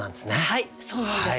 はいそうなんです。